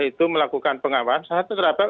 itu melakukan pengawasan satu terdapat